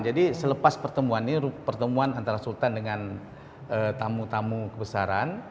jadi selepas pertemuan ini pertemuan antara sultan dengan tamu tamu kebesaran